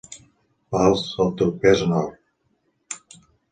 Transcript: Vals el teu pes en or.